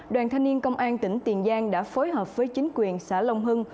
đoàn thanh niên công an tỉnh tiền giang đã phối hợp với chính quyền xã long hưng